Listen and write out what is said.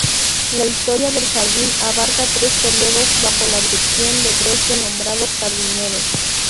La historia del jardín abarca tres períodos bajo la dirección de tres renombrados jardineros.